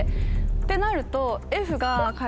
ってなると。